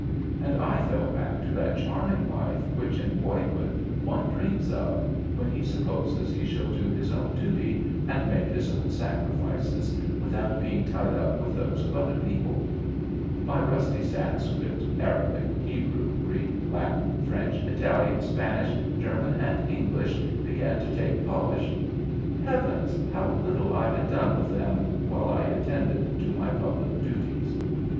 And I fell back to that charming life which in boyhood one dreams of, when he supposes he shall do his own duty and make his own sacrifices, without being tied up with those of other people. My rusty Sanskrit, Arabic, Hebrew, Greek, Latin, French, Italian, Spanish, German and English began to take polish. Heavens! how little I had done with them while I attended to my public duties!